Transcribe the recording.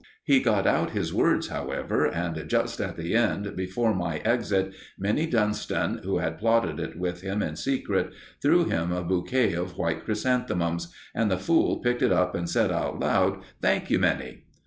He got out his words, however, and just at the end, before my exit, Minnie Dunston, who had plotted it with him in secret, threw him a bouquet of white chrysanthemums, and the fool picked it up and said out loud: "Thank you, Minnie!"